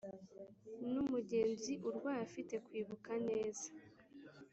numugenzi urwaye afite kwibuka neza